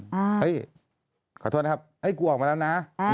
เฮ้ยขอโทษนะครับกูออกมาแล้วนะ